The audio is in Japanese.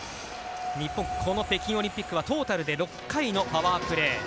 日本、この北京オリンピックはトータルで６回のパワープレー。